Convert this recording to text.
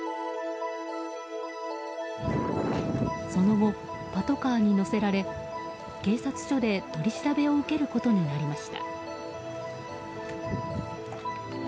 その後、パトカーに乗せられ警察署で取り調べを受けることになりました。